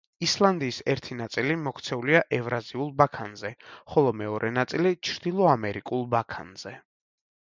ისლანდიის ერთი ნაწილი მოქცეულია ევრაზიულ ბაქანზე, ხოლო მეორე ნაწილი ჩრდილო ამერიკულ ბაქანზე.